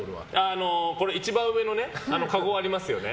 一番上のかごがありますよね。